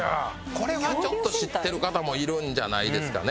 これはちょっと知ってる方もいるんじゃないですかね。